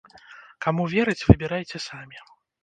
Каму верыць, выбірайце самі.